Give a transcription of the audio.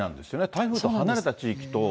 台風と離れた地域と。